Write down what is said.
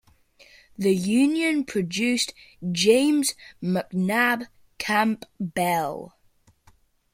The union produced James Macnabb Campbell.